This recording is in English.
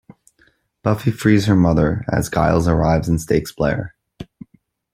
Buffy frees her mother as Giles arrives and stakes Blair.